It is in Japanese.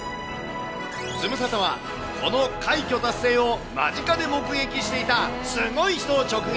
ズムサタは、この快挙達成を間近で目撃していたすごい人を直撃。